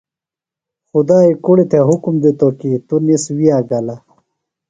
خدائی کُڑیۡ تھےۡ حکم دِتوۡ کی تونِس ویہ گلہ۔